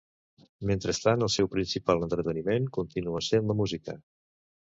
Mentrestant, el seu principal entreteniment continua sent la música.